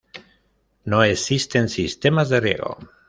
No existen sistemas de riego.